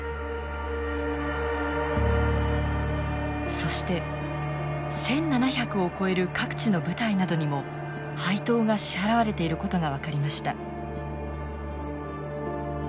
そして１，７００を超える各地の部隊などにも配当が支払われていることが分かりました。